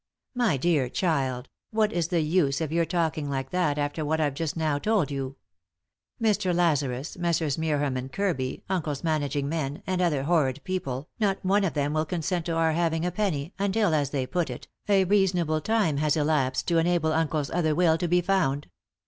" My dear child, what is the use of your talking like that after what I've just now told you. Mr. Lazarus, Messrs. Meerham and Kirby, uncle's managing men, and other horrid people, not one of them will consent to our having a penny, until, as they put it, a reason able time has elapsed to enable uncle's other will to be found.